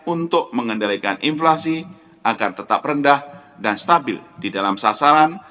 untuk mengendalikan inflasi agar tetap rendah dan stabil di dalam sasaran